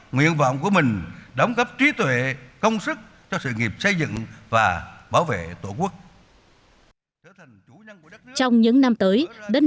nguyện vọng của mình đóng cấp trí tuệ công sức cho sự nghiệp của chúng ta